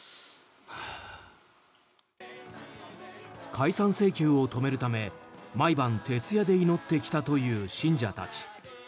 解散命令を止めるため毎晩徹夜で祈ってきたという信者たち。